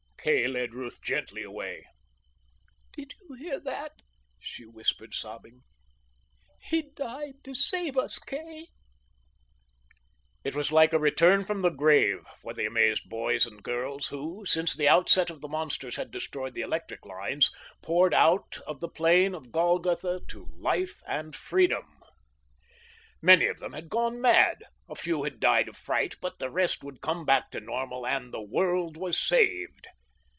Kay led Ruth gently away. "Did you hear that?" she whispered, sobbing. "He died to save us Kay." It was like a return from the grave for the amazed boys and girls who since the onset of the monsters had destroyed the electric lines poured out of the plain of Golgotha to life and freedom. Many of them had gone mad, a few had died of fright, but the rest would come back to normal, and the world was saved.